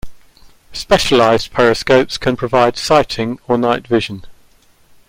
Specialised periscopes can provide sighting or night vision.